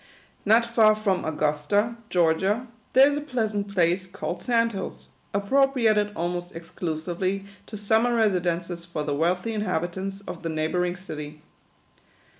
Not far from Augusta, Georgia, there is a pleasant place called Sand Hills, appropriated almost exclu sively to summer residences for the wealthy inhabit ants of the neighbouring city.